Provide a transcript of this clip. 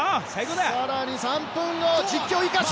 更に３分後、実況生かし！